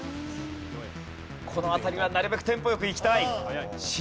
この辺りはなるべくテンポ良くいきたい。